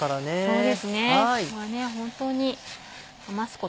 そうですね。